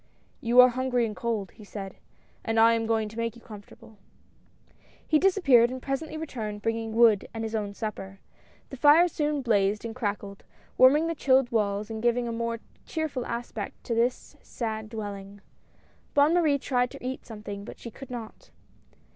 "You are hungry and cold," he said, "and I am going to make you comfortable." 192 THE RETURN. He disappeared, and presently returned bringing wood and his own supper. The fire soon blazed and crackled, warming the chilled walls and giving a more cheerful aspect to this sad dwelling. Bonne Marie tried to eat something, but she could not.